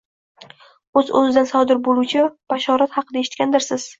O‘z-o‘zidan sodir bo‘luvchi “bashorat” haqida eshitgandirsiz.